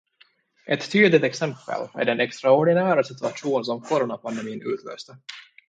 Ett tydligt exempel är den extraordinära situation som Coronapandemin utlöste.